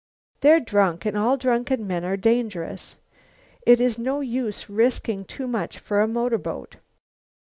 They're drunk, and all drunken men are dangerous. It is no use risking too much for a motorboat."